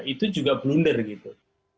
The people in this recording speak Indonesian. itu juga blunder gitu